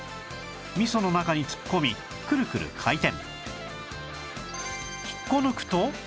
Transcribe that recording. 味噌の中に突っ込みクルクル回転